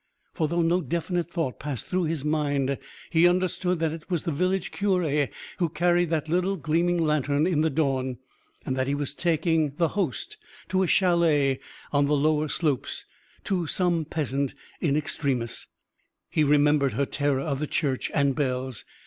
For, though no definite thought passed through his mind, he understood that it was the village cure who carried that little gleaming lantern in the dawn, and that he was taking the Host to a chalet on the lower slopes to some peasant in extremis. He remembered her terror of the church and bells.